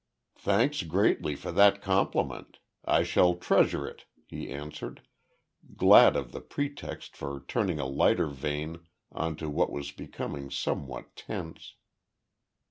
"Thanks greatly for that compliment. I shall treasure it," he answered, glad of the pretext for turning a lighter vein on to what was becoming somewhat tense.